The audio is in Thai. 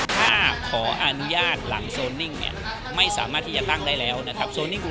เจ้าหน้าที่ดำเนินคดีกับเจ้าของสถานบริการทั้งหมด